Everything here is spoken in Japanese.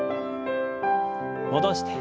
戻して。